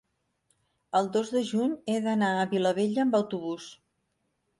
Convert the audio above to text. el dos de juny he d'anar a Vilabella amb autobús.